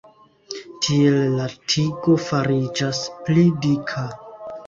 Tiel la tigo fariĝas pli dika.